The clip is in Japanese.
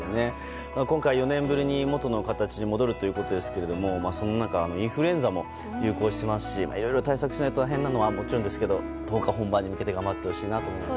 今回、４年ぶりに元の形に戻るということですがインフルエンザも流行してますしいろいろ対策をしないといけないのは大変ですけどどうか本番に向けて頑張ってもらいたいと思います。